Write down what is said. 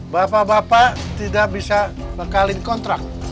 bapak bapak tidak bisa bekalin kontrak